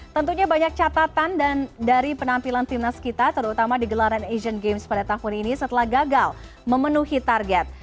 tentunya banyak catatan dari penampilan timnas kita terutama di gelaran asian games pada tahun ini setelah gagal memenuhi target